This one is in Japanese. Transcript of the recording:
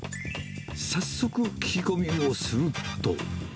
早速、聞き込みをすると。